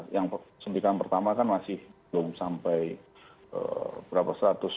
yang suntikan pertama kan masih belum sampai berapa